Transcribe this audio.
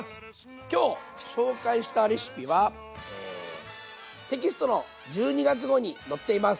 今日紹介したレシピはテキストの１２月号に載っています。